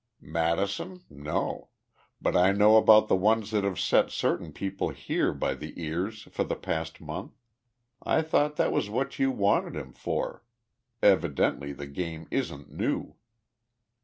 "Madison? No but I know about the ones that have set certain people here by the ears for the past month. I thought that was what you wanted him for. Evidently the game isn't new."